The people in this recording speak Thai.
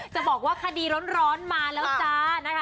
จะบอกว่าคดีร้อนร้อนมาแล้วจ้า